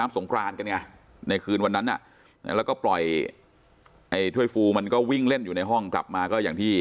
สงครานกันไงในคืนวันนั้นแล้วก็ปล่อยไอ้ถ้วยฟูมันก็วิ่งเล่นอยู่ในห้องกลับมาก็อย่างที่